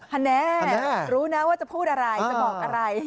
หันเน่รู้นะว่าจะพูดอะไร